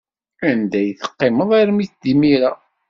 Anda ay teqqimeḍ armi d imir-a?